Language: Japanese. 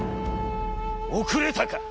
『怯れたか。